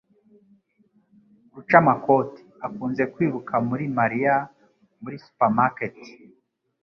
Rucamakoti akunze kwiruka muri Mariya muri supermarket